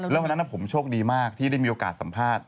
แล้ววันนั้นผมโชคดีมากที่ได้มีโอกาสสัมภาษณ์